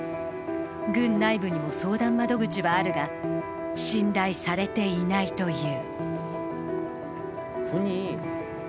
軍内部にも相談窓口はあるが、信頼されていないという。